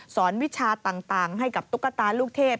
วิชาต่างให้กับตุ๊กตาลูกเทพ